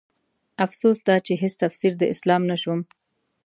افسوس دا چې هيڅ تفسير د اسلام نه شوم